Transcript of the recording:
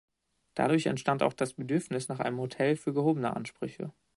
Dadurch entstand auch das Bedürfnis nach einem Hotel für gehobene Ansprüche.